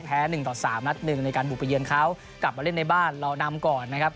ออกแพ้๑ต่อ๓นัด๑ในการบูบไปเยือนเขากลับมาเล่นในบ้านเรานำก่อนนะครับ